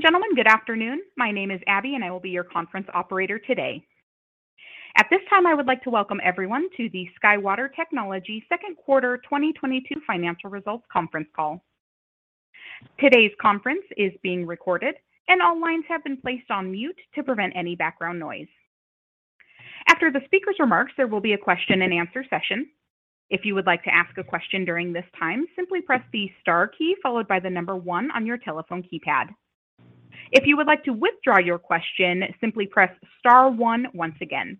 Ladies and gentlemen, good afternoon. My name is Abby, and I will be your conference operator today. At this time, I would like to welcome everyone to the SkyWater Technology second quarter 2022 financial results conference call. Today's conference is being recorded and all lines have been placed on mute to prevent any background noise. After the speaker's remarks, there will be a question and answer session. If you would like to ask a question during this time, simply press the star key followed by the number one on your telephone keypad. If you would like to withdraw your question, simply press star one once again.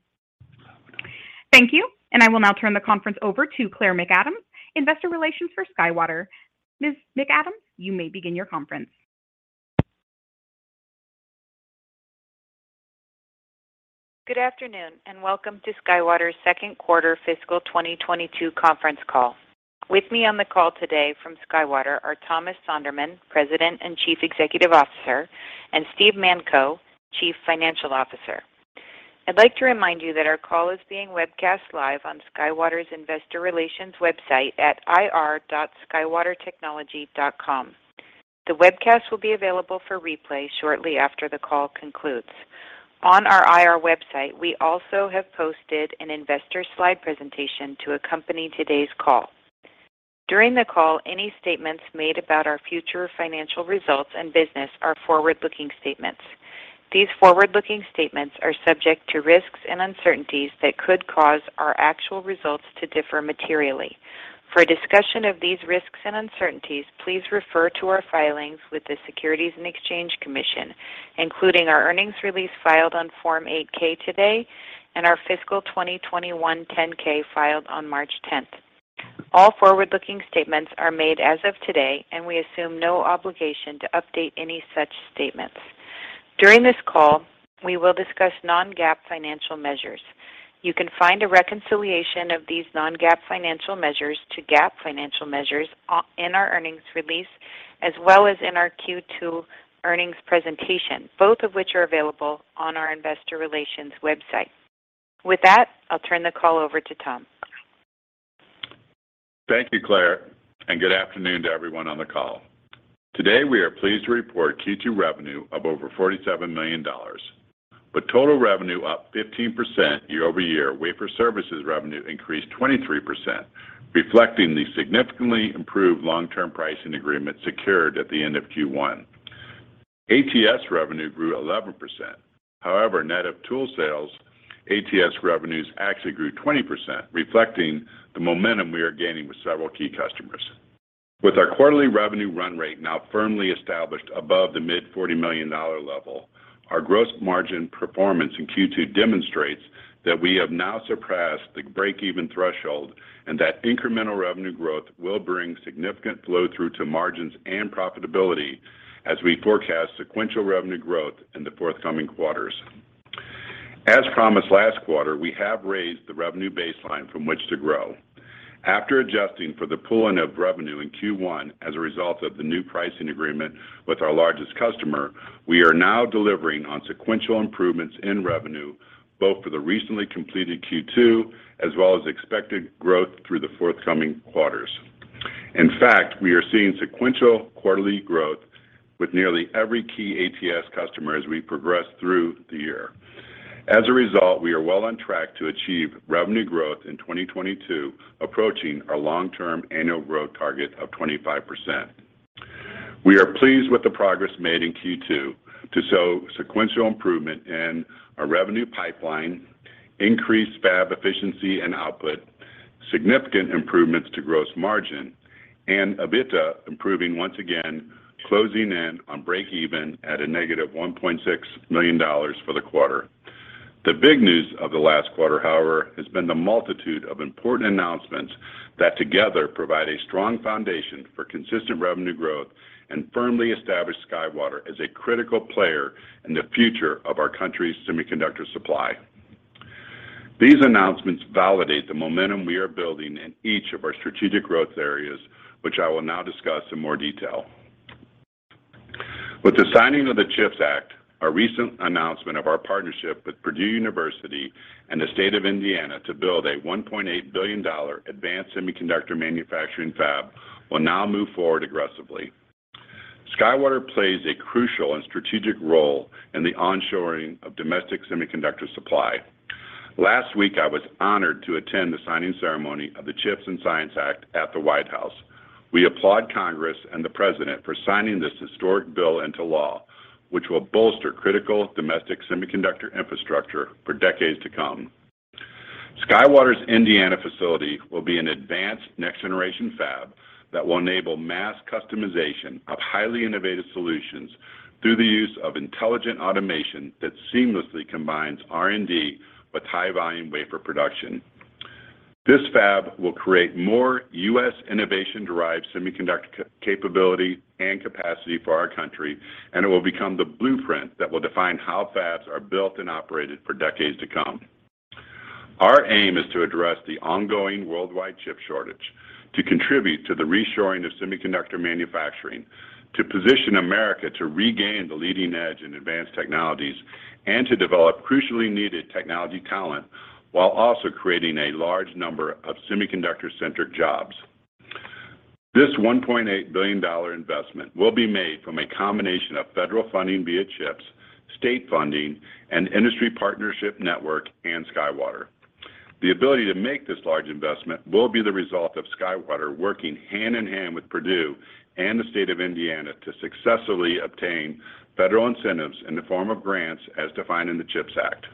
Thank you, and I will now turn the conference over to Claire McAdams, investor relations for SkyWater. Ms. McAdams, you may begin your conference. Good afternoon and welcome to SkyWater's second quarter fiscal 2022 conference call. With me on the call today from SkyWater are Thomas Sonderman, President and Chief Executive Officer, and Steve Manko, Chief Financial Officer. I'd like to remind you that our call is being webcast live on SkyWater's Investor Relations website at ir.skywatertechnology.com. The webcast will be available for replay shortly after the call concludes. On our IR website, we also have posted an investor slide presentation to accompany today's call. During the call, any statements made about our future financial results and business are forward-looking statements. These forward-looking statements are subject to risks and uncertainties that could cause our actual results to differ materially. For a discussion of these risks and uncertainties, please refer to our filings with the Securities and Exchange Commission, including our earnings release filed on Form 8-K today and our fiscal 2021 10-K filed on March 10th. All forward-looking statements are made as of today, and we assume no obligation to update any such statements. During this call, we will discuss non-GAAP financial measures. You can find a reconciliation of these non-GAAP financial measures to GAAP financial measures in our earnings release, as well as in our Q2 earnings presentation, both of which are available on our Investor Relations website. With that, I'll turn the call over to Tom. Thank you, Claire, and good afternoon to everyone on the call. Today, we are pleased to report Q2 revenue of over $47 million. With total revenue up 15% year-over-year, wafer services revenue increased 23%, reflecting the significantly improved long-term pricing agreement secured at the end of Q1. ATS revenue grew 11%. However, net of tool sales, ATS revenues actually grew 20%, reflecting the momentum we are gaining with several key customers. With our quarterly revenue run rate now firmly established above the mid $40 million level, our gross margin performance in Q2 demonstrates that we have now surpassed the breakeven threshold and that incremental revenue growth will bring significant flow through to margins and profitability as we forecast sequential revenue growth in the forthcoming quarters. As promised last quarter, we have raised the revenue baseline from which to grow. After adjusting for the pull-in of revenue in Q1 as a result of the new pricing agreement with our largest customer, we are now delivering on sequential improvements in revenue, both for the recently completed Q2 as well as expected growth through the forthcoming quarters. In fact, we are seeing sequential quarterly growth with nearly every key ATS customer as we progress through the year. As a result, we are well on track to achieve revenue growth in 2022, approaching our long-term annual growth target of 25%. We are pleased with the progress made in Q2 to show sequential improvement in our revenue pipeline, increased fab efficiency and output, significant improvements to gross margin, and EBITDA improving once again, closing in on breakeven at -$1.6 million for the quarter. The big news of the last quarter, however, has been the multitude of important announcements that together provide a strong foundation for consistent revenue growth and firmly establish SkyWater as a critical player in the future of our country's semiconductor supply. These announcements validate the momentum we are building in each of our strategic growth areas, which I will now discuss in more detail. With the signing of the CHIPS Act, our recent announcement of our partnership with Purdue University and the state of Indiana to build a $1.8 billion advanced semiconductor manufacturing fab will now move forward aggressively. SkyWater plays a crucial and strategic role in the onshoring of domestic semiconductor supply. Last week, I was honored to attend the signing ceremony of the CHIPS and Science Act at the White House. We applaud Congress and the President for signing this historic bill into law, which will bolster critical domestic semiconductor infrastructure for decades to come. SkyWater's Indiana facility will be an advanced next generation fab that will enable mass customization of highly innovative solutions through the use of intelligent automation that seamlessly combines R&D with high volume wafer production. This fab will create more U.S. innovation-derived semiconductor capability and capacity for our country, and it will become the blueprint that will define how fabs are built and operated for decades to come. Our aim is to address the ongoing worldwide chip shortage, to contribute to the reshoring of semiconductor manufacturing, to position America to regain the leading edge in advanced technologies, and to develop crucially needed technology talent while also creating a large number of semiconductor-centric jobs. This $1.8 billion investment will be made from a combination of federal funding via CHIPS, state funding, and industry partnership network and SkyWater. The ability to make this large investment will be the result of SkyWater working hand in hand with Purdue and the state of Indiana to successfully obtain federal incentives in the form of grants as defined in the CHIPS Act.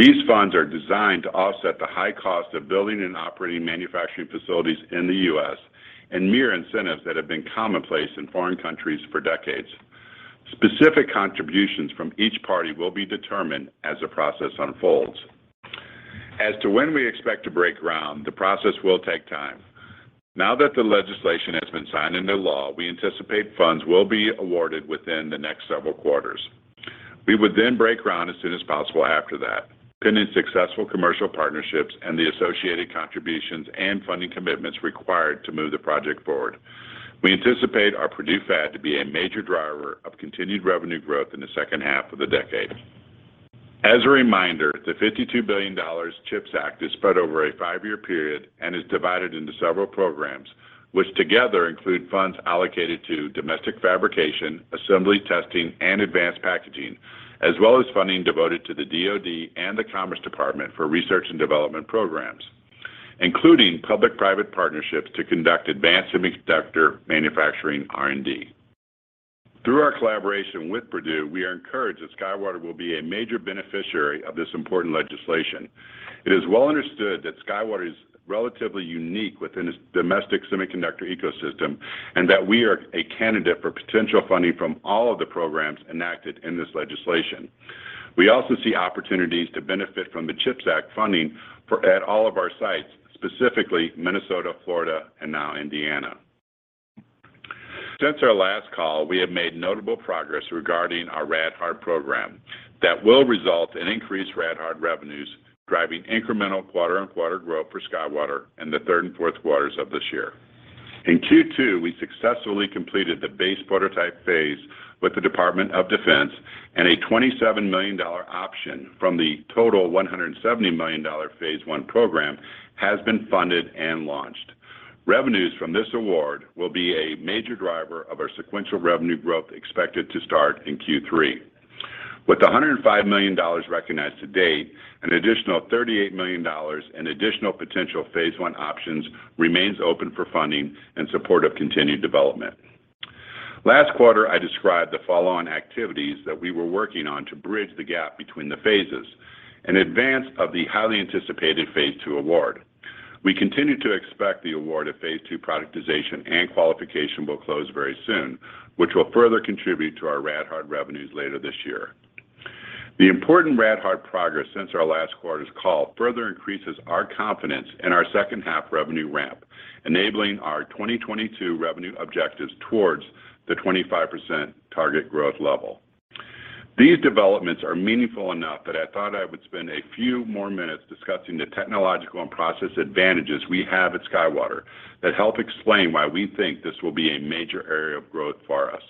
These funds are designed to offset the high cost of building and operating manufacturing facilities in the U.S. and mirror incentives that have been commonplace in foreign countries for decades. Specific contributions from each party will be determined as the process unfolds. As to when we expect to break ground, the process will take time. Now that the legislation has been signed into law, we anticipate funds will be awarded within the next several quarters. We would then break ground as soon as possible after that pending successful commercial partnerships and the associated contributions and funding commitments required to move the project forward. We anticipate our Purdue fab to be a major driver of continued revenue growth in the second half of the decade. As a reminder, the $52 billion CHIPS Act is spread over a five-year period and is divided into several programs, which together include funds allocated to domestic fabrication, assembly testing, and advanced packaging, as well as funding devoted to the DoD and the Department of Commerce for research and development programs, including public-private partnerships to conduct advanced semiconductor manufacturing R&D. Through our collaboration with Purdue, we are encouraged that SkyWater will be a major beneficiary of this important legislation. It is well understood that SkyWater is relatively unique within its domestic semiconductor ecosystem and that we are a candidate for potential funding from all of the programs enacted in this legislation. We also see opportunities to benefit from the CHIPS Act funding for all of our sites, specifically Minnesota, Florida, and now Indiana. Since our last call, we have made notable progress regarding our rad-hard program that will result in increased rad-hard revenues, driving incremental quarter-over-quarter growth for SkyWater in the third and fourth quarters of this year. In Q2, we successfully completed the base prototype phase with the Department of Defense, and a $27 million option from the total $170 million phase I program has been funded and launched. Revenues from this award will be a major driver of our sequential revenue growth expected to start in Q3. With the $105 million recognized to date, an additional $38 million and additional potential phase I options remains open for funding in support of continued development. Last quarter, I described the follow-on activities that we were working on to bridge the gap between the phases in advance of the highly anticipated phase II award. We continue to expect the award of phase II productization and qualification will close very soon, which will further contribute to our rad-hard revenues later this year. The important rad-hard progress since our last quarter's call further increases our confidence in our second half revenue ramp, enabling our 2022 revenue objectives towards the 25% target growth level. These developments are meaningful enough that I thought I would spend a few more minutes discussing the technological and process advantages we have at SkyWater that help explain why we think this will be a major area of growth for us.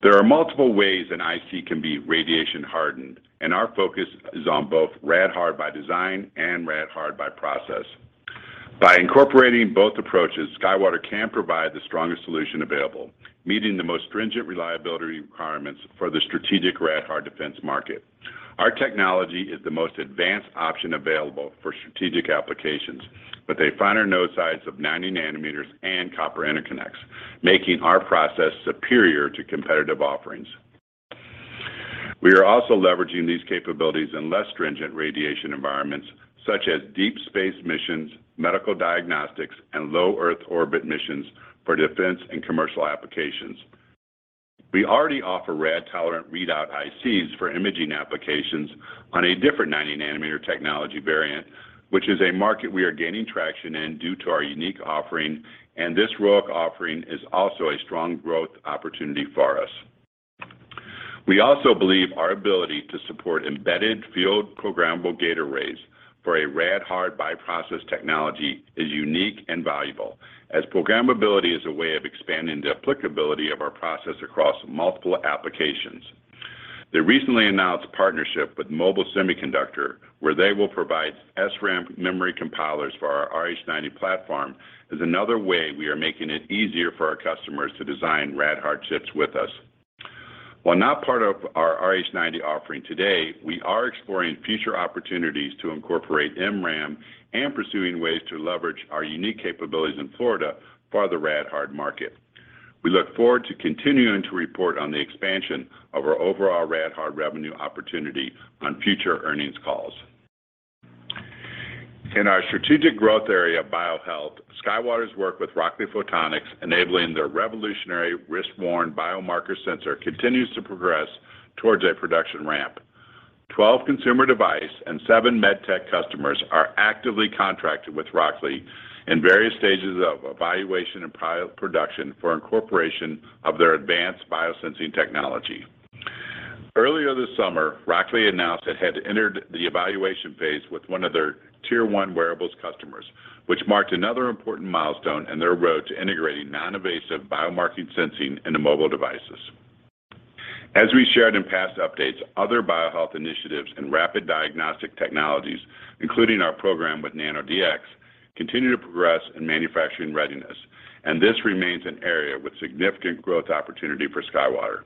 There are multiple ways an IC can be radiation hardened, and our focus is on both rad-hard by design and rad-hard by process. By incorporating both approaches, SkyWater can provide the strongest solution available, meeting the most stringent reliability requirements for the strategic rad-hard defense market. Our technology is the most advanced option available for strategic applications with a finer node size of 90 nanometers and copper interconnects, making our process superior to competitive offerings. We are also leveraging these capabilities in less stringent radiation environments such as deep space missions, medical diagnostics, and low Earth orbit missions for defense and commercial applications. We already offer rad-tolerant readout ICs for imaging applications on a different 90-nanometer technology variant, which is a market we are gaining traction in due to our unique offering, and this ROIC offering is also a strong growth opportunity for us. We also believe our ability to support embedded field-programmable gate arrays for a Rad-Hard by Process technology is unique and valuable as programmability is a way of expanding the applicability of our process across multiple applications. The recently announced partnership with Mobile Semiconductor, where they will provide SRAM memory compilers for our RH90 platform, is another way we are making it easier for our customers to design rad-hard chips with us. While not part of our RH90 offering today, we are exploring future opportunities to incorporate MRAM and pursuing ways to leverage our unique capabilities in Florida for the rad-hard market. We look forward to continuing to report on the expansion of our overall rad-hard revenue opportunity on future earnings calls. In our strategic growth area, BioHealth, SkyWater's work with Rockley Photonics enabling their revolutionary wrist-worn biomarker sensor continues to progress towards a production ramp. 12 consumer device and seven med tech customers are actively contracted with Rockley in various stages of evaluation and pilot production for incorporation of their advanced biosensing technology. Earlier this summer, Rockley announced it had entered the evaluation phase with one of their tier-one wearables customers, which marked another important milestone in their road to integrating non-invasive biomarker sensing into mobile devices. As we shared in past updates, other biohealth initiatives and rapid diagnostic technologies, including our program with NanoDx, continue to progress in manufacturing readiness, and this remains an area with significant growth opportunity for SkyWater.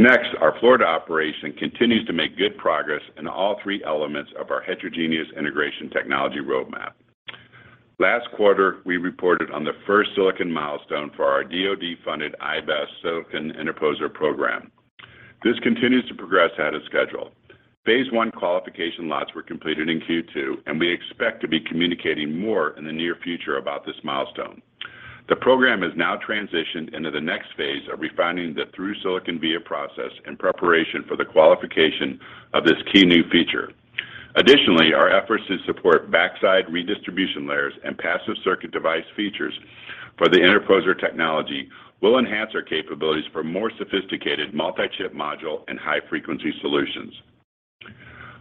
Next, our Florida operation continues to make good progress in all three elements of our heterogeneous integration technology roadmap. Last quarter, we reported on the first silicon milestone for our DoD-funded IBAS silicon interposer program. This continues to progress ahead of schedule. Phase I qualification lots were completed in Q2, and we expect to be communicating more in the near future about this milestone. The program has now transitioned into the next phase of refining the through-silicon via process in preparation for the qualification of this key new feature. Additionally, our efforts to support backside redistribution layers and passive circuit device features for the interposer technology will enhance our capabilities for more sophisticated multi-chip module and high frequency solutions.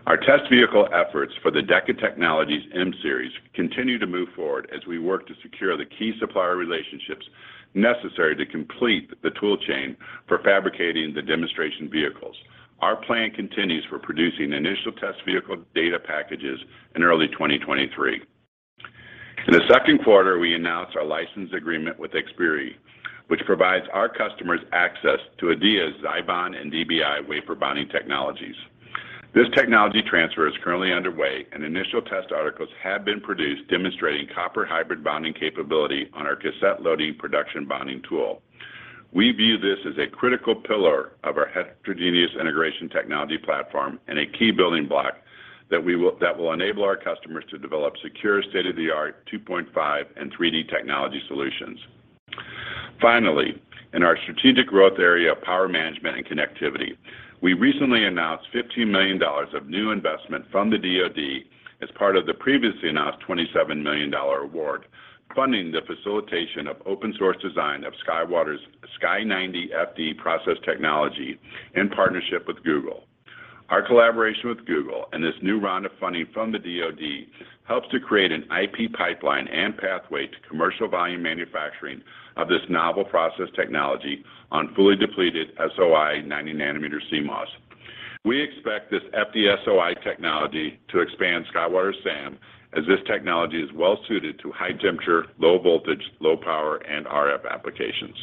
Our test vehicle efforts for the Deca Technologies M-Series continue to move forward as we work to secure the key supplier relationships necessary to complete the tool chain for fabricating the demonstration vehicles. Our plan continues for producing initial test vehicle data packages in early 2023. In the second quarter, we announced our license agreement with Xperi, which provides our customers access to Adeia's ZiBond and DBI wafer bonding technologies. This technology transfer is currently underway, and initial test articles have been produced demonstrating copper hybrid bonding capability on our cassette loading production bonding tool. We view this as a critical pillar of our heterogeneous integration technology platform and a key building block that will enable our customers to develop secure state-of-the-art 2.5D and 3D technology solutions. Finally, in our strategic growth area of power management and connectivity, we recently announced $15 million of new investment from the DoD as part of the previously announced $27 million award, funding the facilitation of open source design of SkyWater's Sky90 FD process technology in partnership with Google. Our collaboration with Google and this new round of funding from the DoD helps to create an IP pipeline and pathway to commercial volume manufacturing of this novel process technology on fully depleted SOI 90 nanometer CMOS. We expect this FDSOI technology to expand SkyWater's SAM, as this technology is well suited to high temperature, low voltage, low power, and RF applications.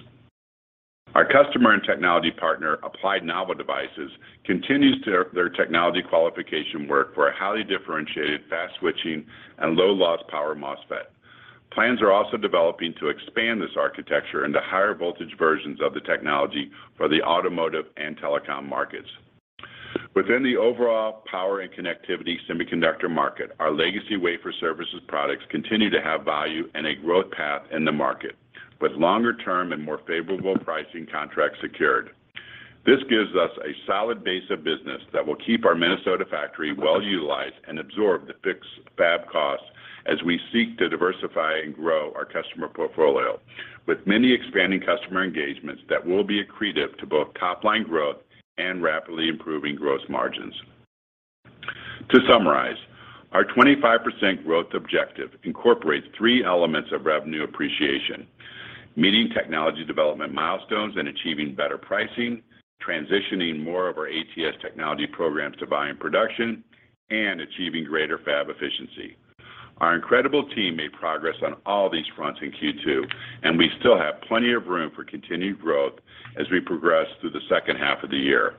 Our customer and technology partner, Applied Novel Devices, continues their technology qualification work for a highly differentiated fast switching and low loss power MOSFET. Plans are also developing to expand this architecture into higher voltage versions of the technology for the automotive and telecom markets. Within the overall power and connectivity semiconductor market, our legacy wafer services products continue to have value and a growth path in the market with longer term and more favorable pricing contracts secured. This gives us a solid base of business that will keep our Minnesota factory well utilized and absorb the fixed fab costs as we seek to diversify and grow our customer portfolio with many expanding customer engagements that will be accretive to both top-line growth and rapidly improving gross margins. To summarize, our 25% growth objective incorporates three elements of revenue appreciation, meeting technology development milestones and achieving better pricing, transitioning more of our ATS technology programs to volume production, and achieving greater fab efficiency. Our incredible team made progress on all these fronts in Q2, and we still have plenty of room for continued growth as we progress through the second half of the year.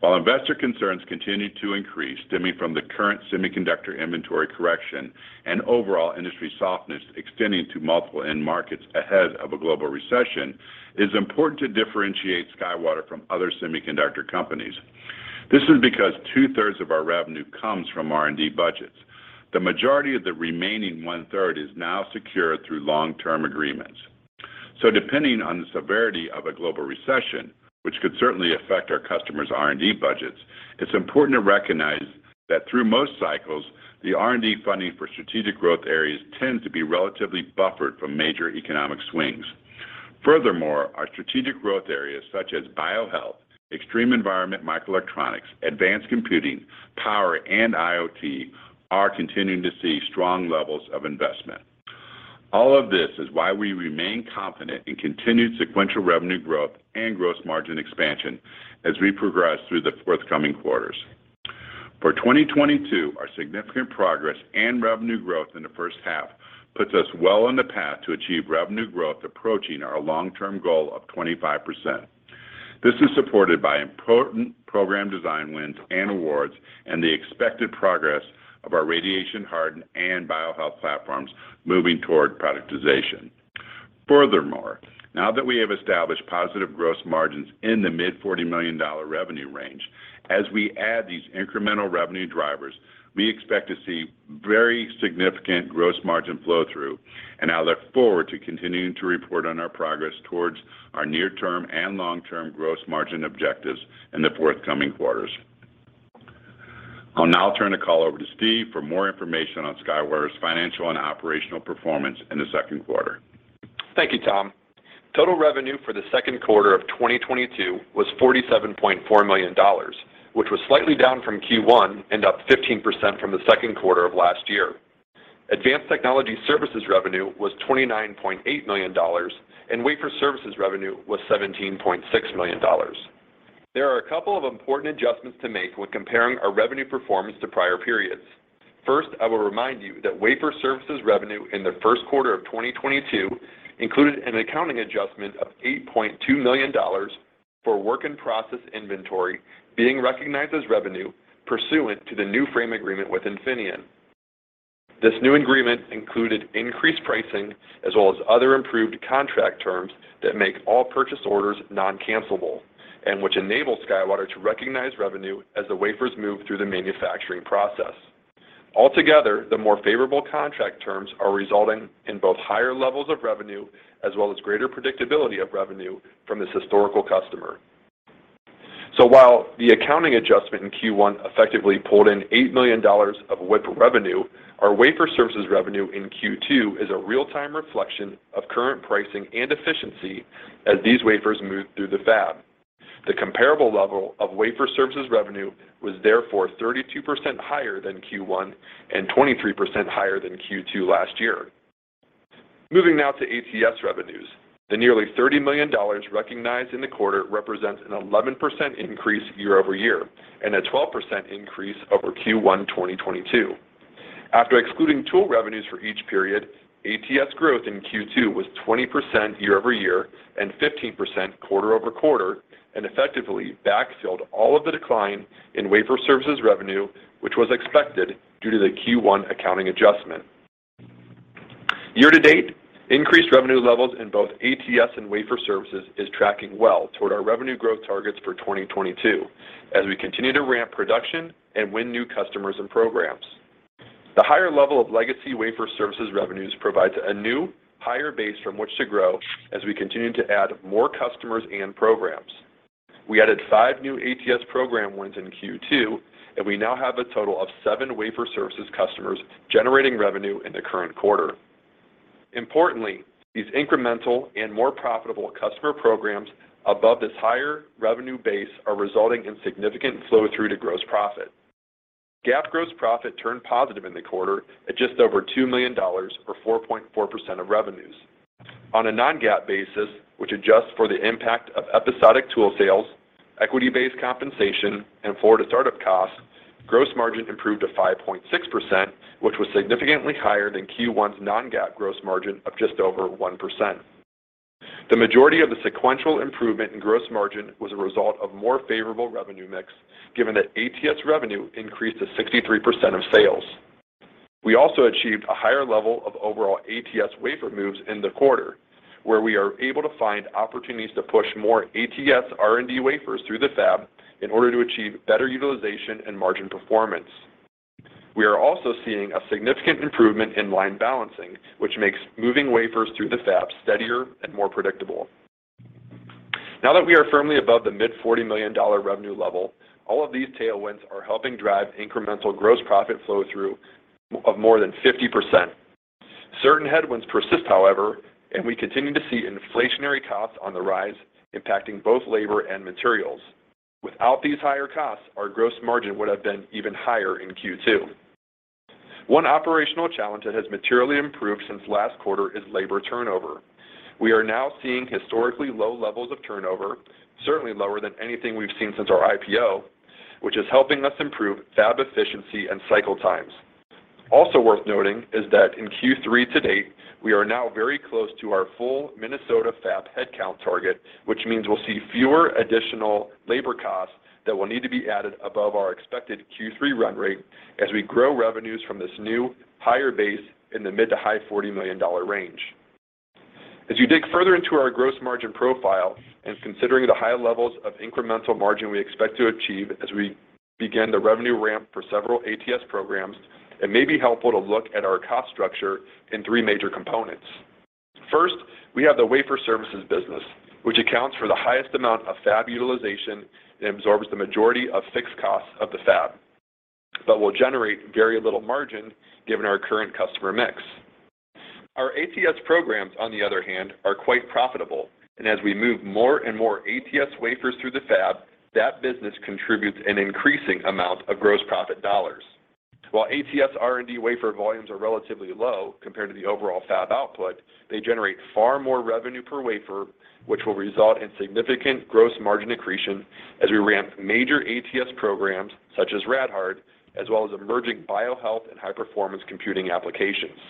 While investor concerns continue to increase, stemming from the current semiconductor inventory correction and overall industry softness extending to multiple end markets ahead of a global recession, it is important to differentiate SkyWater from other semiconductor companies. This is because 2/3 of our revenue comes from R&D budgets. The majority of the remaining 1/3 is now secure through long-term agreements. Depending on the severity of a global recession, which could certainly affect our customers' R&D budgets, it's important to recognize that through most cycles, the R&D funding for strategic growth areas tends to be relatively buffered from major economic swings. Furthermore, our strategic growth areas such as biohealth, extreme environment microelectronics, advanced computing, power, and IoT are continuing to see strong levels of investment. All of this is why we remain confident in continued sequential revenue growth and gross margin expansion as we progress through the forthcoming quarters. For 2022, our significant progress and revenue growth in the first half puts us well on the path to achieve revenue growth approaching our long-term goal of 25%. This is supported by important program design wins and awards and the expected progress of our radiation hardened and biohealth platforms moving toward productization. Furthermore, now that we have established positive gross margins in the mid $40 million revenue range, as we add these incremental revenue drivers, we expect to see very significant gross margin flow-through, and I look forward to continuing to report on our progress towards our near-term and long-term gross margin objectives in the forthcoming quarters. I'll now turn the call over to Steve for more information on SkyWater's financial and operational performance in the second quarter. Thank you, Tom. Total revenue for the second quarter of 2022 was $47.4 million, which was slightly down from Q1 and up 15% from the second quarter of last year. Advanced technology services revenue was $29.8 million, and wafer services revenue was $17.6 million. There are a couple of important adjustments to make when comparing our revenue performance to prior periods. First, I will remind you that wafer services revenue in the first quarter of 2022 included an accounting adjustment of $8.2 million for work in process inventory being recognized as revenue pursuant to the new frame agreement with Infineon. This new agreement included increased pricing as well as other improved contract terms that make all purchase orders non-cancelable, and which enable SkyWater to recognize revenue as the wafers move through the manufacturing process. Altogether, the more favorable contract terms are resulting in both higher levels of revenue as well as greater predictability of revenue from this historical customer. While the accounting adjustment in Q1 effectively pulled in $8 million of WIP revenue, our wafer services revenue in Q2 is a real-time reflection of current pricing and efficiency as these wafers move through the fab. The comparable level of wafer services revenue was therefore 32% higher than Q1 and 23% higher than Q2 last year. Moving now to ATS revenues. The nearly $30 million recognized in the quarter represents an 11% increase year-over-year and a 12% increase over Q1 2022. After excluding tool revenues for each period, ATS growth in Q2 was 20% year-over-year and 15% quarter-over-quarter, and effectively backfilled all of the decline in wafer services revenue, which was expected due to the Q1 accounting adjustment. Year to date, increased revenue levels in both ATS and wafer services is tracking well toward our revenue growth targets for 2022 as we continue to ramp production and win new customers and programs. The higher level of legacy wafer services revenues provides a new, higher base from which to grow as we continue to add more customers and programs. We added five new ATS program wins in Q2, and we now have a total of seven wafer services customers generating revenue in the current quarter. Importantly, these incremental and more profitable customer programs above this higher revenue base are resulting in significant flow through to gross profit. GAAP gross profit turned positive in the quarter at just over $2 million, or 4.4% of revenues. On a non-GAAP basis, which adjusts for the impact of episodic tool sales, equity-based compensation, and Florida startup costs, gross margin improved to 5.6%, which was significantly higher than Q1's non-GAAP gross margin of just over 1%. The majority of the sequential improvement in gross margin was a result of more favorable revenue mix, given that ATS revenue increased to 63% of sales. We also achieved a higher level of overall ATS wafer moves in the quarter, where we are able to find opportunities to push more ATS R&D wafers through the fab in order to achieve better utilization and margin performance. We are also seeing a significant improvement in line balancing, which makes moving wafers through the fab steadier and more predictable. Now that we are firmly above the mid $40 million revenue level, all of these tailwinds are helping drive incremental gross profit flow through of more than 50%. Certain headwinds persist, however, and we continue to see inflationary costs on the rise, impacting both labor and materials. Without these higher costs, our gross margin would have been even higher in Q2. One operational challenge that has materially improved since last quarter is labor turnover. We are now seeing historically low levels of turnover, certainly lower than anything we've seen since our IPO, which is helping us improve fab efficiency and cycle times. Also worth noting is that in Q3 to date, we are now very close to our full Minnesota fab headcount target, which means we'll see fewer additional labor costs that will need to be added above our expected Q3 run rate as we grow revenues from this new higher base in the mid to high $40 million range. As you dig further into our gross margin profile and considering the high levels of incremental margin we expect to achieve as we begin the revenue ramp for several ATS programs, it may be helpful to look at our cost structure in three major components. First, we have the wafer services business, which accounts for the highest amount of fab utilization and absorbs the majority of fixed costs of the fab, but will generate very little margin given our current customer mix. Our ATS programs, on the other hand, are quite profitable, and as we move more and more ATS wafers through the fab, that business contributes an increasing amount of gross profit dollars. While ATS R&D wafer volumes are relatively low compared to the overall fab output, they generate far more revenue per wafer, which will result in significant gross margin accretion as we ramp major ATS programs such as Rad-Hard, as well as emerging biohealth and high-performance computing applications.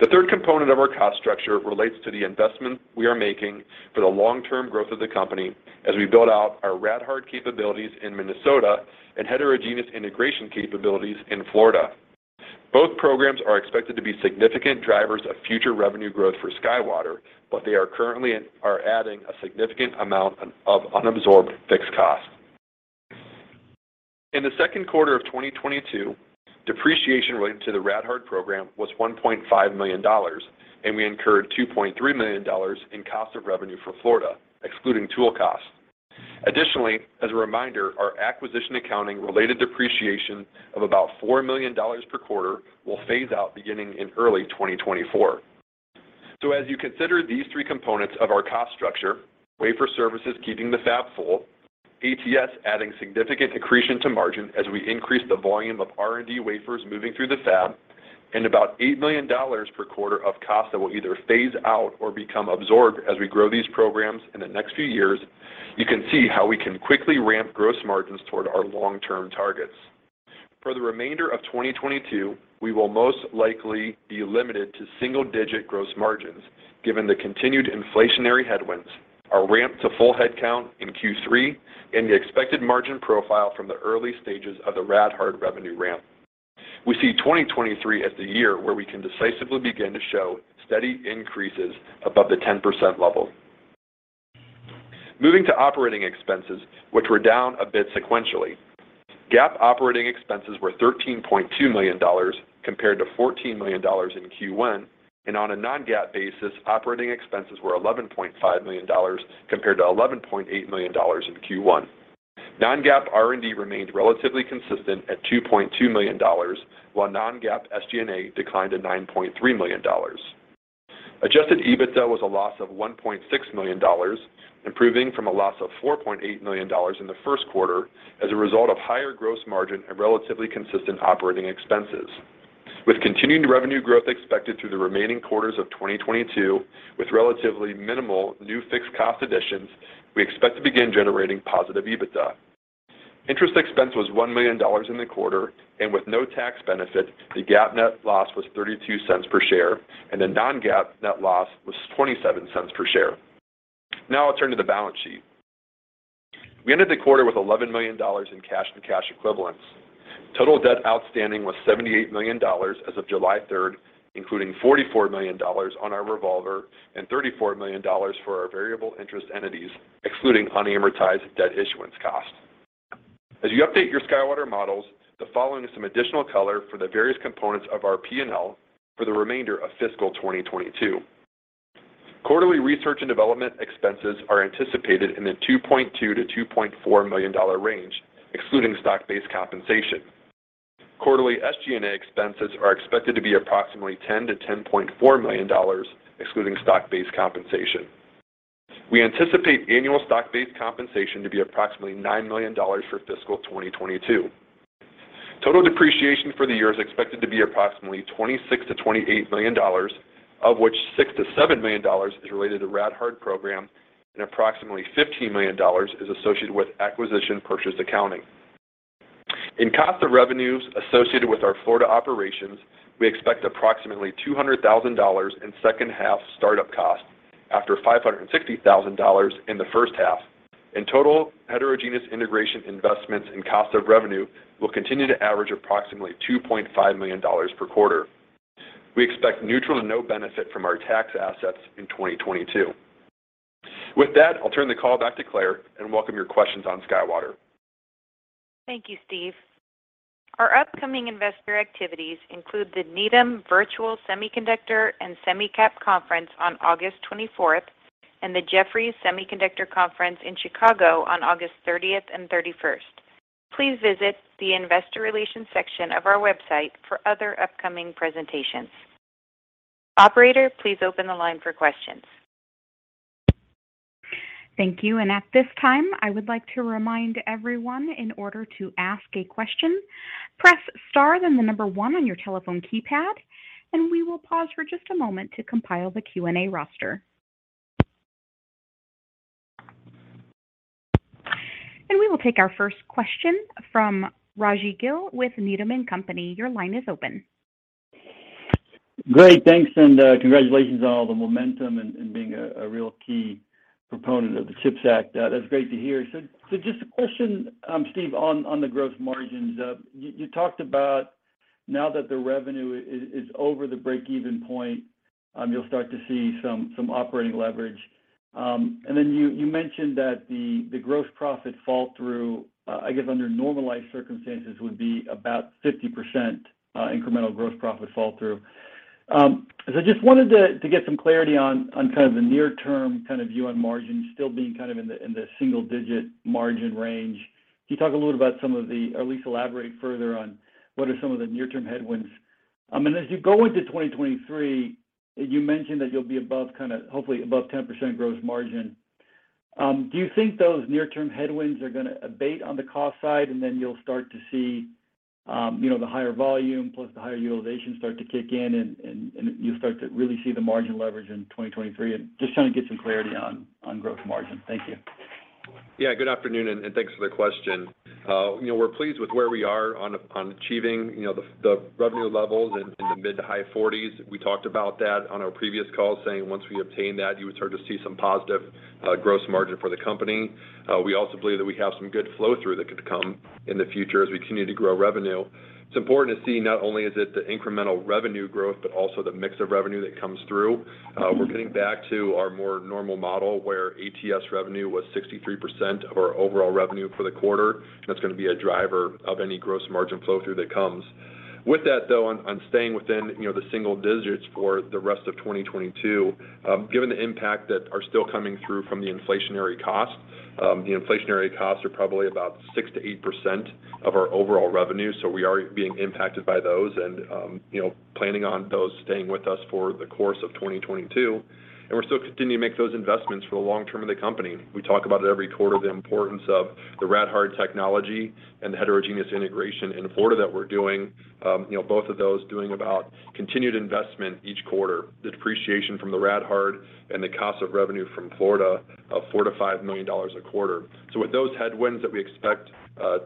The third component of our cost structure relates to the investment we are making for the long-term growth of the company as we build out our Rad-Hard capabilities in Minnesota and heterogeneous integration capabilities in Florida. Both programs are expected to be significant drivers of future revenue growth for SkyWater, but they are currently adding a significant amount of unabsorbed fixed costs. In the second quarter of 2022, depreciation related to the Rad-Hard program was $1.5 million, and we incurred $2.3 million in cost of revenue for Florida, excluding tool costs. Additionally, as a reminder, our acquisition accounting related depreciation of about $4 million per quarter will phase out beginning in early 2024. As you consider these three components of our cost structure, wafer services keeping the fab full, ATS adding significant accretion to margin as we increase the volume of R&D wafers moving through the fab, and about $8 million per quarter of cost that will either phase out or become absorbed as we grow these programs in the next few years, you can see how we can quickly ramp gross margins toward our long-term targets. For the remainder of 2022, we will most likely be limited to single-digit gross margins given the continued inflationary headwinds, our ramp to full headcount in Q3, and the expected margin profile from the early stages of the Rad-Hard revenue ramp. We see 2023 as the year where we can decisively begin to show steady increases above the 10% level. Moving to operating expenses, which were down a bit sequentially. GAAP operating expenses were $13.2 million compared to $14 million in Q1. On a non-GAAP basis, operating expenses were $11.5 million compared to $11.8 million in Q1. Non-GAAP R&D remained relatively consistent at $2.2 million, while non-GAAP SG&A declined to $9.3 million. Adjusted EBITDA was a loss of $1.6 million, improving from a loss of $4.8 million in the first quarter as a result of higher gross margin and relatively consistent operating expenses. With continued revenue growth expected through the remaining quarters of 2022 with relatively minimal new fixed cost additions, we expect to begin generating positive EBITDA. Interest expense was $1 million in the quarter, and with no tax benefit, the GAAP net loss was $0.32 per share, and the non-GAAP net loss was $0.27 per share. Now I'll turn to the balance sheet. We ended the quarter with $11 million in cash and cash equivalents. Total debt outstanding was $78 million as of July 3, including $44 million on our revolver and $34 million for our variable interest entities, excluding unamortized debt issuance costs. As you update your SkyWater models, the following is some additional color for the various components of our P&L for the remainder of fiscal 2022. Quarterly research and development expenses are anticipated in the $2.2 million-$2.4 million range, excluding stock-based compensation. Quarterly SG&A expenses are expected to be approximately $10 million-$10.4 million, excluding stock-based compensation. We anticipate annual stock-based compensation to be approximately $9 million for fiscal 2022. Total depreciation for the year is expected to be approximately $26 million-$28 million, of which $6 million-$7 million is related to Rad-Hard program and approximately $15 million is associated with acquisition purchase accounting. In cost of revenues associated with our Florida operations, we expect approximately $200,000 in second half start-up costs after $560,000 in the first half. In total, heterogeneous integration investments and cost of revenue will continue to average approximately $2.5 million per quarter. We expect neutral to no benefit from our tax assets in 2022. With that, I'll turn the call back to Claire and welcome your questions on SkyWater. Thank you, Steve. Our upcoming investor activities include the Needham Virtual Semiconductor and SemiCap Conference on August 24th, and the Jefferies Semiconductor Conference in Chicago on August 30th and 31st. Please visit the investor relations section of our website for other upcoming presentations. Operator, please open the line for questions. Thank you. At this time, I would like to remind everyone in order to ask a question, press star, then the number one on your telephone keypad, and we will pause for just a moment to compile the Q&A roster. We will take our first question from Raji Gill with Needham & Company. Your line is open. Great. Thanks, and congratulations on all the momentum and being a real key proponent of the CHIPS Act. That's great to hear. Just a question, Steve, on the gross margins. You talked about now that the revenue is over the break-even point, you'll start to see some operating leverage. And then you mentioned that the gross profit fall-through, I guess under normalized circumstances, would be about 50% incremental gross profit fall-through. So I just wanted to get some clarity on kind of the near-term view on margins still being kind of in the single-digit margin range. Can you talk a little about some of the, or at least elaborate further on what are some of the near-term headwinds? As you go into 2023, you mentioned that you'll be above kind of hopefully above 10% gross margin. Do you think those near-term headwinds are gonna abate on the cost side, and then you'll start to see, you know, the higher volume plus the higher utilization start to kick in and you start to really see the margin leverage in 2023? Just trying to get some clarity on gross margin. Thank you. Yeah. Good afternoon, and thanks for the question. You know, we're pleased with where we are on achieving you know the revenue levels in the mid to high 40s. We talked about that on our previous call saying once we obtain that, you would start to see some positive gross margin for the company. We also believe that we have some good flow-through that could come in the future as we continue to grow revenue. It's important to see not only is it the incremental revenue growth, but also the mix of revenue that comes through. We're getting back to our more normal model where ATS revenue was 63% of our overall revenue for the quarter. That's gonna be a driver of any gross margin flow-through that comes. With that though, on staying within, you know, the single digits for the rest of 2022, given the impact that are still coming through from the inflationary cost. The inflationary costs are probably about 6%-8% of our overall revenue, so we are being impacted by those and, you know, planning on those staying with us for the course of 2022. We're still continuing to make those investments for the long term of the company. We talk about it every quarter, the importance of the Rad-Hard technology and the heterogeneous integration in Florida that we're doing. You know, both of those doing about continued investment each quarter. The depreciation from the Rad-Hard and the cost of revenue from Florida of $4 million-$5 million a quarter. With those headwinds that we expect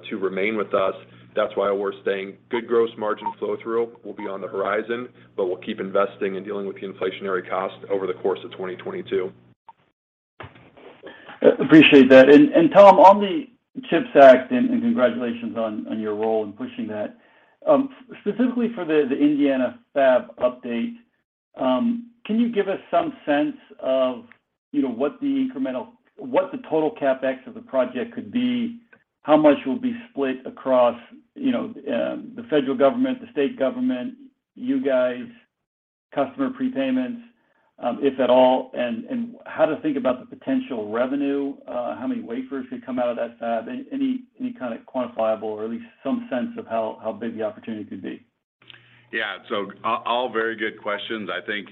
to remain with us, that's why we're saying good gross margin flow-through will be on the horizon, but we'll keep investing and dealing with the inflationary cost over the course of 2022. Appreciate that. Tom, on the CHIPS Act, and congratulations on your role in pushing that. Specifically for the Indiana fab update, can you give us some sense of, you know, what the total CapEx of the project could be? How much will be split across, you know, the federal government, the state government, you guys, customer prepayments, if at all? How to think about the potential revenue, how many wafers could come out of that fab? Any kind of quantifiable or at least some sense of how big the opportunity could be. All very good questions. I think,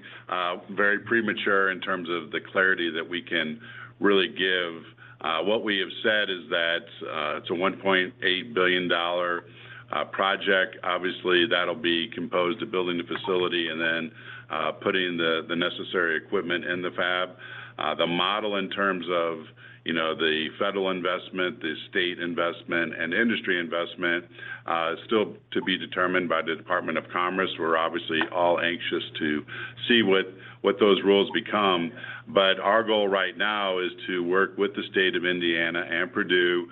very premature in terms of the clarity that we can really give. What we have said is that, it's a $1.8 billion project. Obviously, that'll be composed of building the facility and then, putting the necessary equipment in the fab. The model in terms of, you know, the federal investment, the state investment, and industry investment, still to be determined by the Department of Commerce. We're obviously all anxious to see what those rules become. Our goal right now is to work with the state of Indiana and Purdue,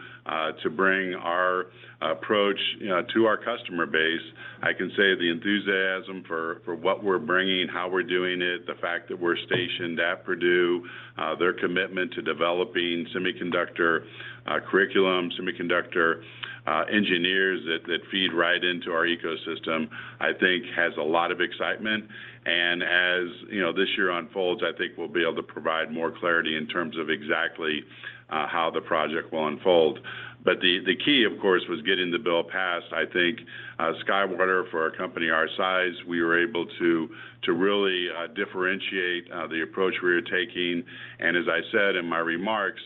to bring our approach, you know, to our customer base. I can say the enthusiasm for what we're bringing, how we're doing it, the fact that we're stationed at Purdue, their commitment to developing semiconductor curriculum, semiconductor engineers that feed right into our ecosystem, I think has a lot of excitement. As you know, this year unfolds, I think we'll be able to provide more clarity in terms of exactly how the project will unfold. The key, of course, was getting the bill passed. I think SkyWater, for a company our size, we were able to really differentiate the approach we are taking. As I said in my remarks,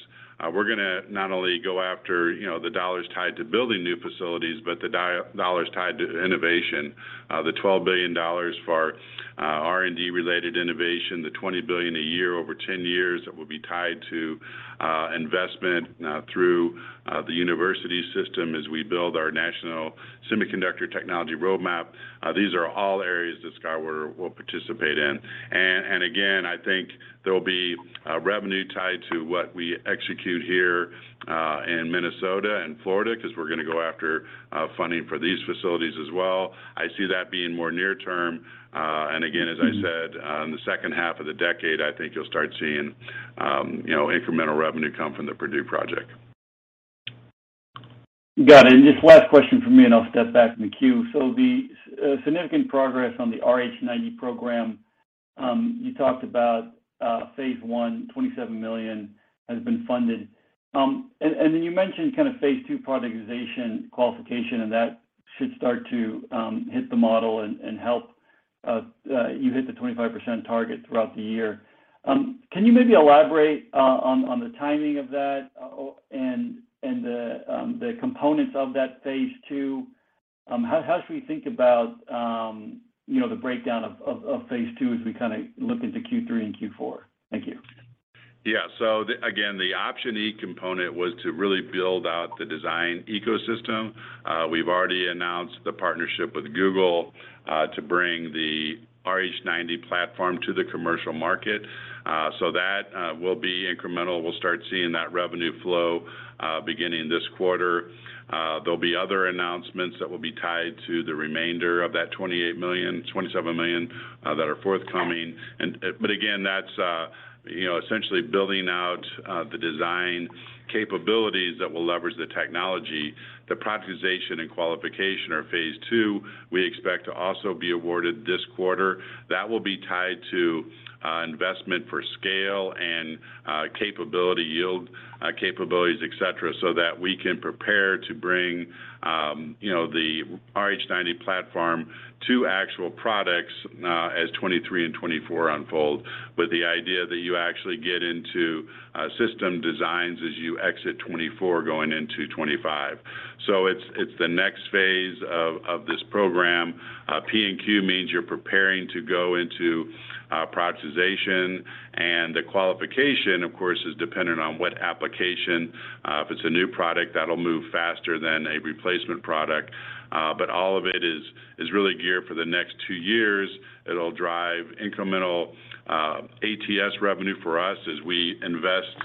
we're gonna not only go after, you know, the dollars tied to building new facilities, but the dollars tied to innovation. The $12 billion for R&D-related innovation, the $20 billion a year over 10 years that will be tied to investment through the university system as we build our national semiconductor technology roadmap. These are all areas that SkyWater will participate in. Again, I think there'll be revenue tied to what we execute here in Minnesota and Florida, 'cause we're gonna go after funding for these facilities as well. I see that being more near term. Again, as I said, in the second half of the decade, I think you'll start seeing, you know, incremental revenue come from the Purdue project. Got it. Just last question from me, and I'll step back from the queue. The significant progress on the RH90 program, you talked about, phase I, $27 million has been funded. Then you mentioned kind of phase II productization qualification, and that should start to hit the model and help you hit the 25% target throughout the year. Can you maybe elaborate on the timing of that, or and the components of that phase II? How should we think about, you know, the breakdown of phase II as we kind of look into Q3 and Q4? Thank you. Yeah. The Option E component was to really build out the design ecosystem. We've already announced the partnership with Google to bring the RH90 platform to the commercial market. That will be incremental. We'll start seeing that revenue flow beginning this quarter. There'll be other announcements that will be tied to the remainder of that $28 million, $27 million that are forthcoming. Again, that's you know, essentially building out the design capabilities that will leverage the technology. The productization and qualification are phase II. We expect to also be awarded this quarter. That will be tied to investment for scale and capabilities, etc., so that we can prepare to bring, you know, the RH90 platform to actual products, as 2023 and 2024 unfold, with the idea that you actually get into system designs as you exit 2024 going into 2025. It's the next phase of this program. P&Q means you're preparing to go into productization. The qualification, of course, is dependent on what application. If it's a new product, that'll move faster than a replacement product. All of it is really geared for the next 2 years. It'll drive incremental ATS revenue for us as we invest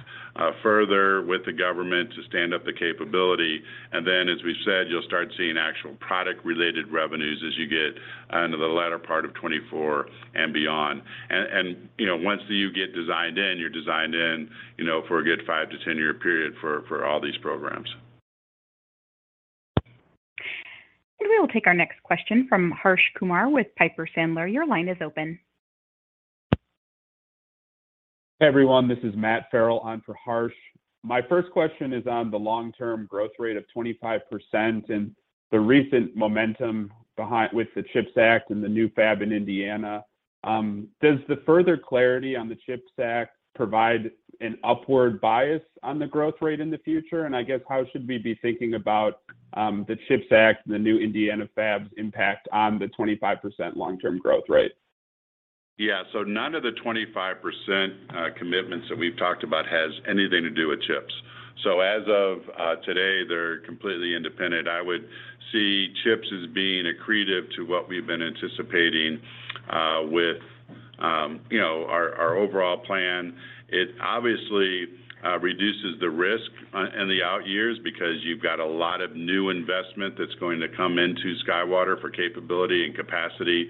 further with the government to stand up the capability. As we've said, you'll start seeing actual product-related revenues as you get onto the latter part of 2024 and beyond. You know, once you get designed in, you're designed in, you know, for a good 5-10 year period for all these programs. We will take our next question from Harsh Kumar with Piper Sandler. Your line is open. Everyone, this is Matt Farrell in for Harsh Kumar. My first question is on the long-term growth rate of 25% and the recent momentum with the CHIPS Act and the new fab in Indiana. Does the further clarity on the CHIPS Act provide an upward bias on the growth rate in the future? I guess, how should we be thinking about the CHIPS Act and the new Indiana fab's impact on the 25% long-term growth rate? Yeah. None of the 25% commitments that we've talked about has anything to do with CHIPS. As of today, they're completely independent. I would see CHIPS as being accretive to what we've been anticipating with our overall plan. It obviously reduces the risk in the out years because you've got a lot of new investment that's going to come into SkyWater for capability and capacity,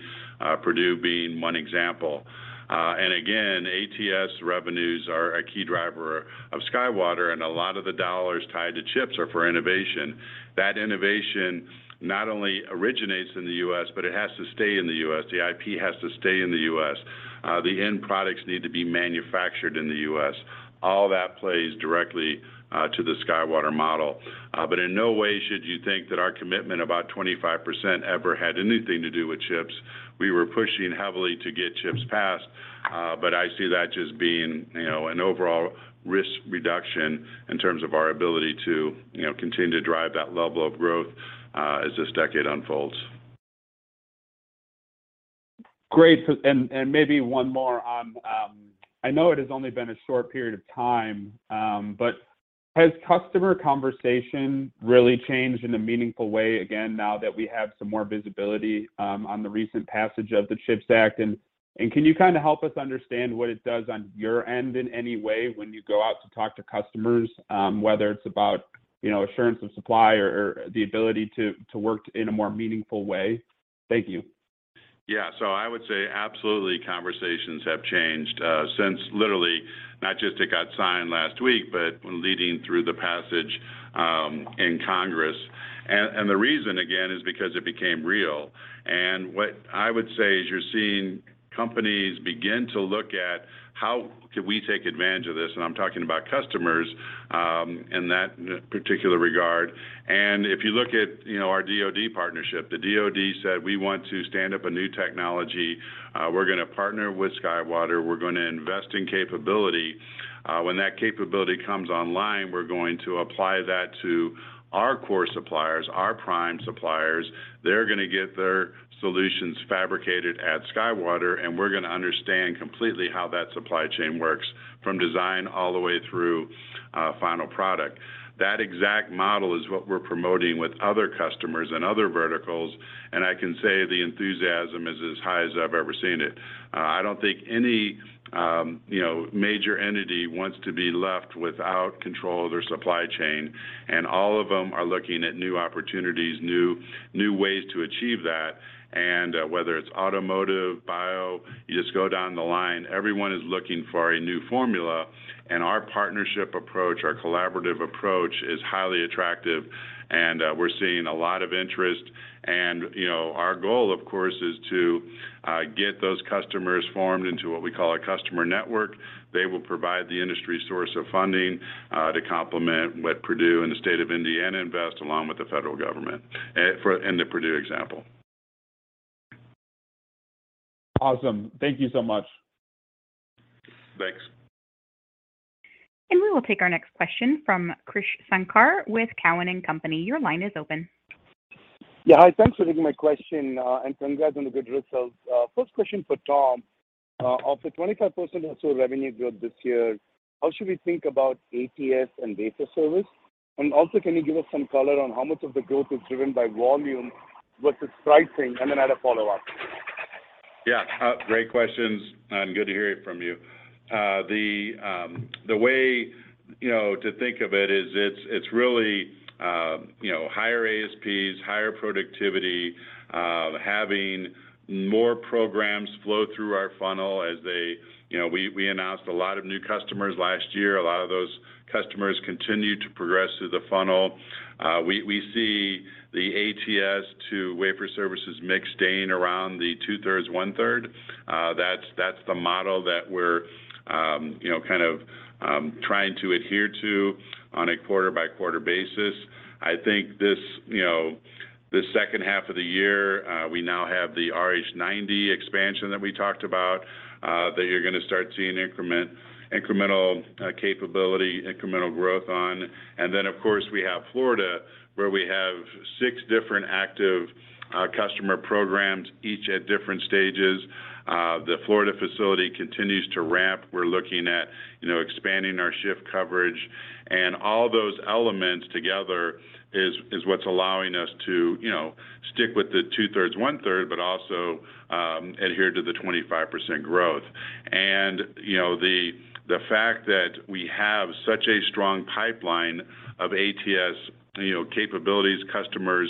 Purdue being one example. Again, ATS revenues are a key driver of SkyWater, and a lot of the dollars tied to CHIPS are for innovation. That innovation not only originates in the U.S., but it has to stay in the U.S. The IP has to stay in the U.S. The end products need to be manufactured in the U.S. All that plays directly to the SkyWater model. In no way should you think that our commitment about 25% ever had anything to do with CHIPS. We were pushing heavily to get CHIPS passed, but I see that just being, you know, an overall risk reduction in terms of our ability to, you know, continue to drive that level of growth, as this decade unfolds. Great. Maybe one more on. I know it has only been a short period of time, but has customer conversation really changed in a meaningful way again now that we have some more visibility on the recent passage of the CHIPS Act? Can you kind of help us understand what it does on your end in any way when you go out to talk to customers, whether it's about, you know, assurance of supply or the ability to work in a more meaningful way? Thank you. Yeah. I would say absolutely conversations have changed, since literally not just it got signed last week, but leading through the passage, in Congress. The reason again is because it became real. What I would say is you're seeing companies begin to look at how could we take advantage of this, and I'm talking about customers, in that particular regard. If you look at, you know, our DoD partnership, the DoD said, "We want to stand up a new technology. We're gonna partner with SkyWater. We're gonna invest in capability. When that capability comes online, we're going to apply that to our core suppliers, our prime suppliers. They're gonna get their solutions fabricated at SkyWater, and we're gonna understand completely how that supply chain works from design all the way through final product. That exact model is what we're promoting with other customers and other verticals, and I can say the enthusiasm is as high as I've ever seen it. I don't think any, you know, major entity wants to be left without control of their supply chain, and all of them are looking at new opportunities, new ways to achieve that. Whether it's automotive, bio, you just go down the line, everyone is looking for a new formula. Our partnership approach, our collaborative approach is highly attractive, and we're seeing a lot of interest. You know, our goal, of course, is to get those customers formed into what we call a customer network. They will provide the industry source of funding to complement what Purdue and the state of Indiana invest along with the federal government in the Purdue example. Awesome. Thank you so much. Thanks. We will take our next question from Krish Sankar with Cowen and Company. Your line is open. Yeah. Hi, thanks for taking my question. Congrats on the good results. First question for Tom. Of the 25% or so revenue growth this year, how should we think about ATS and data service? Also, can you give us some color on how much of the growth is driven by volume versus pricing? Then I had a follow-up. Yeah. Great questions, and good to hear it from you. The way, you know, to think of it is it's really, you know, higher ASPs, higher productivity, having more programs flow through our funnel as they, you know. We announced a lot of new customers last year. A lot of those customers continue to progress through the funnel. We see the ATS to wafer services mix staying around the two-thirds, one-third. That's the model that we're, you know, kind of, trying to adhere to on a quarter-by-quarter basis. I think this, you know, this second half of the year, we now have the RH90 expansion that we talked about, that you're gonna start seeing incremental capability, incremental growth on. We have Florida, where we have six different active customer programs, each at different stages. The Florida facility continues to ramp. We're looking at, you know, expanding our shift coverage. All those elements together is what's allowing us to, you know, stick with the 2/3, 1/3, but also adhere to the 25% growth. You know, the fact that we have such a strong pipeline of ATS capabilities, customers,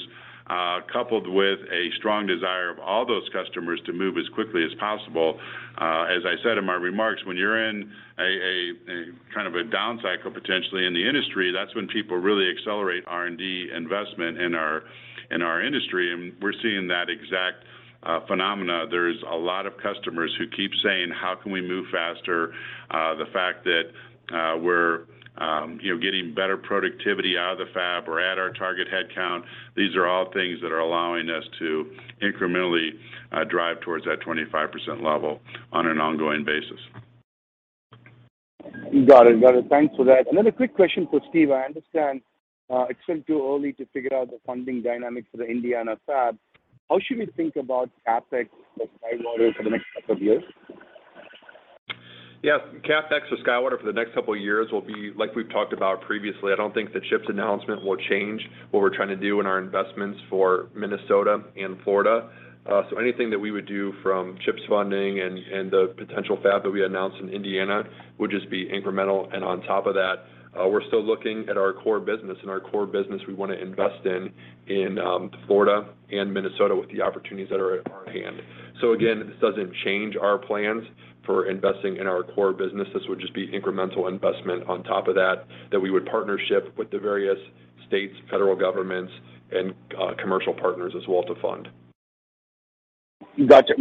coupled with a strong desire of all those customers to move as quickly as possible, as I said in my remarks, when you're in a kind of a down cycle potentially in the industry, that's when people really accelerate R&D investment in our industry. We're seeing that exact phenomena. There's a lot of customers who keep saying, "How can we move faster?" The fact that we're you know getting better productivity out of the fab. We're at our target head count. These are all things that are allowing us to incrementally drive towards that 25% level on an ongoing basis. Got it. Thanks for that. A quick question for Steve. I understand, it's been too early to figure out the funding dynamics for the Indiana fab. How should we think about CapEx for SkyWater for the next couple of years? Yeah. CapEx for SkyWater for the next couple of years will be like we've talked about previously. I don't think the CHIPS announcement will change what we're trying to do in our investments for Minnesota and Florida. So anything that we would do from CHIPS funding and the potential fab that we announced in Indiana would just be incremental. On top of that, we're still looking at our core business, and our core business we wanna invest in Florida and Minnesota with the opportunities that are at our hand. Again, this doesn't change our plans for investing in our core business. This would just be incremental investment on top of that we would partnership with the various states, federal governments, and commercial partners as well to fund. Gotcha.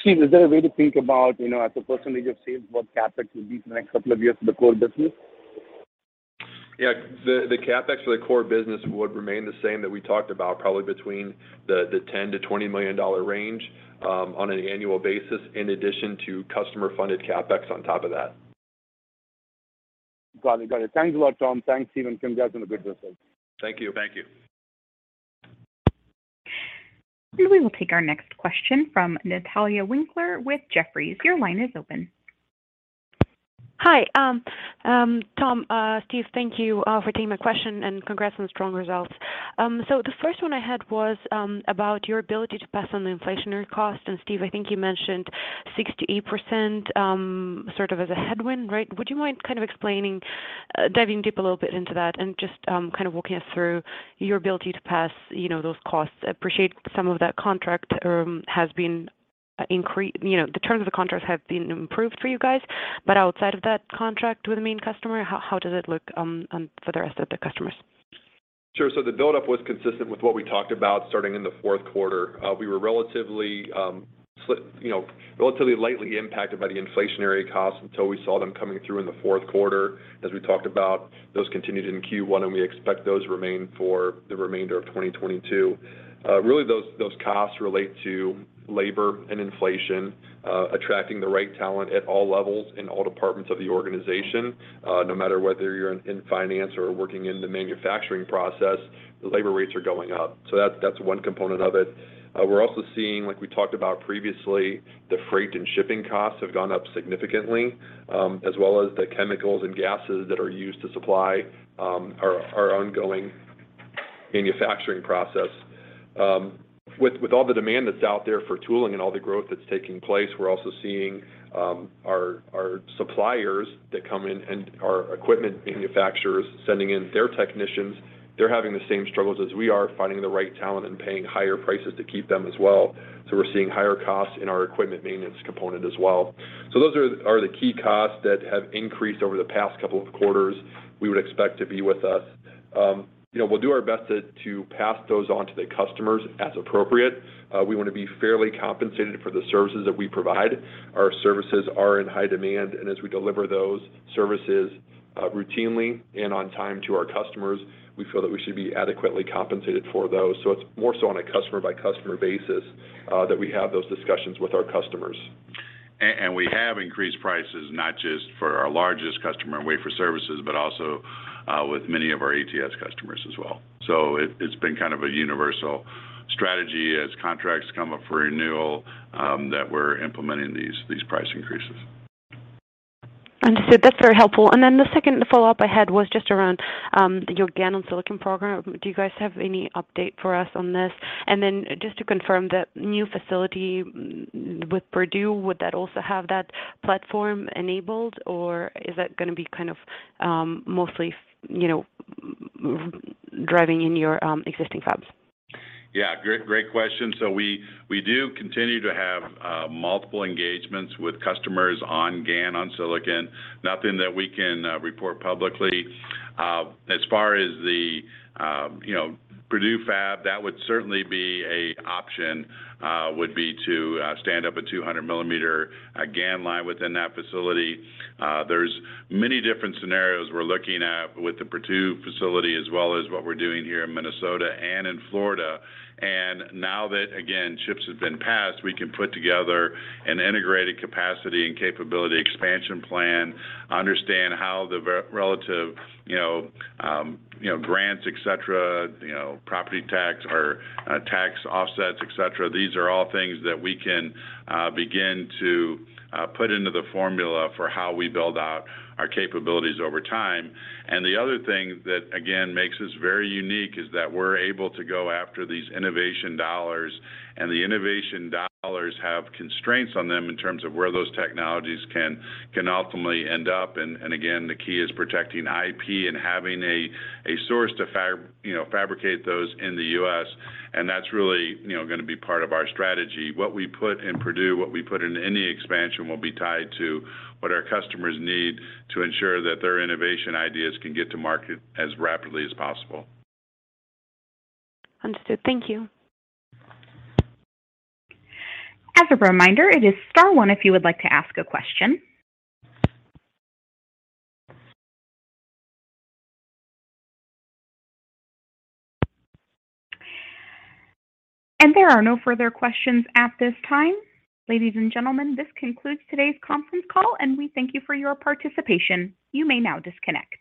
Steve, is there a way to think about, you know, as a percentage of sales, what CapEx will be for the next couple of years for the core business? Yeah. The CapEx for the core business would remain the same that we talked about, probably between the $10 million-$20 million range, on an annual basis in addition to customer-funded CapEx on top of that. Got it. Thanks a lot, Tom. Thanks, Steve, and congrats on the good results. Thank you. Thank you. We will take our next question from Natalia Winkler with Jefferies. Your line is open. Hi. Tom, Steve, thank you for taking my question, and congrats on the strong results. So the first one I had was about your ability to pass on the inflationary cost. Steve, I think you mentioned 6%-8% sort of as a headwind, right? Would you mind kind of explaining diving deep a little bit into that and just kind of walking us through your ability to pass, you know, those costs? I appreciate some of that contract has been increased. You know, the terms of the contracts have been improved for you guys. Outside of that contract with the main customer, how does it look for the rest of the customers? The buildup was consistent with what we talked about starting in the fourth quarter. We were relatively lightly impacted by the inflationary costs until we saw them coming through in the fourth quarter as we talked about. Those continued in Q1, and we expect those to remain for the remainder of 2022. Really, those costs relate to labor and inflation, attracting the right talent at all levels in all departments of the organization. No matter whether you're in finance or working in the manufacturing process, the labor rates are going up. That's one component of it. We're also seeing, like we talked about previously, the freight and shipping costs have gone up significantly, as well as the chemicals and gases that are used to supply our ongoing manufacturing process. With all the demand that's out there for tooling and all the growth that's taking place, we're also seeing our suppliers that come in and our equipment manufacturers sending in their technicians. They're having the same struggles as we are, finding the right talent and paying higher prices to keep them as well. We're seeing higher costs in our equipment maintenance component as well. Those are the key costs that have increased over the past couple of quarters we would expect to be with us. You know, we'll do our best to pass those on to the customers as appropriate. We wanna be fairly compensated for the services that we provide. Our services are in high demand, and as we deliver those services, routinely and on time to our customers, we feel that we should be adequately compensated for those. It's more so on a customer-by-customer basis, that we have those discussions with our customers. We have increased prices not just for our largest customer in wafer services, but also with many of our ATS customers as well. It's been kind of a universal strategy as contracts come up for renewal that we're implementing these price increases. Understood. That's very helpful. Then the second follow-up I had was just around your GaN-on-Silicon program. Do you guys have any update for us on this? Then just to confirm, that new facility with Purdue, would that also have that platform enabled, or is that gonna be kind of mostly, you know, driving in your existing fabs? Yeah. Great question. We do continue to have multiple engagements with customers on GaN-on-Silicon. Nothing that we can report publicly. As far as the you know, Purdue fab, that would certainly be an option, would be to stand up a 200 millimeter GaN line within that facility. There are many different scenarios we're looking at with the Purdue facility as well as what we're doing here in Minnesota and in Florida. Now that, again, CHIPS has been passed, we can put together an integrated capacity and capability expansion plan, understand how the relative you know grants, et cetera, you know, property tax or tax offsets, et cetera. These are all things that we can begin to put into the formula for how we build out our capabilities over time. The other thing that, again, makes us very unique is that we're able to go after these innovation dollars, and the innovation dollars have constraints on them in terms of where those technologies can ultimately end up. Again, the key is protecting IP and having a source to fab, you know, fabricate those in the U.S., and that's really, you know, gonna be part of our strategy. What we put in Purdue, what we put into any expansion will be tied to what our customers need to ensure that their innovation ideas can get to market as rapidly as possible. Understood. Thank you. As a reminder, it is star one if you would like to ask a question. There are no further questions at this time. Ladies and gentlemen, this concludes today's conference call, and we thank you for your participation. You may now disconnect.